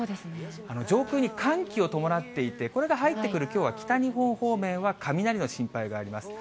上空に寒気を伴っていて、これが入ってくるきょうは北日本方面は、雷の心配があります。